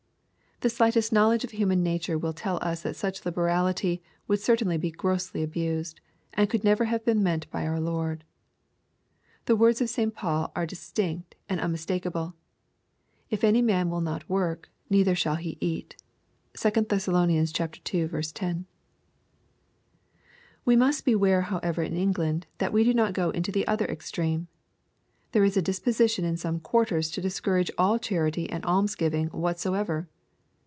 The shghtest knowledge of human nature will tell us that such Uberality would certainly be grossly abused, and could never have been meant by our Lord. The words of St Paul are distinct and unmistakeable, " If any man will not work, neither shall he eat.*' (2 Thess. ii. 10.) We must beware however in England that we do not go into the other extreme. There is a disposition in some quarters to discourage all charity and almsgiving whatsoever.